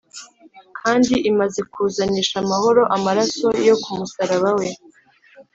Kandi imaze kuzanisha amahoro amaraso yo ku musaraba we